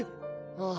ああ。